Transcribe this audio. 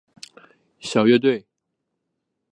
小乐队。